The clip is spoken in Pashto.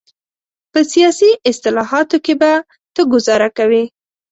په سیاسي اصطلاحاتو کې به ته ګوزاره کوې.